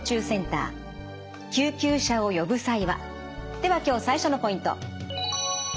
では今日最初のポイント。